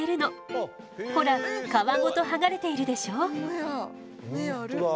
ほら皮ごとはがれているでしょ？